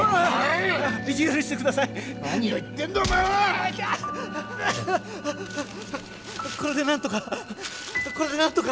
あああこれでなんとかこれでなんとか。